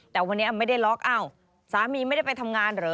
แต่วันนี้ไม่ได้ล็อกอ้าวสามีไม่ได้ไปทำงานเหรอ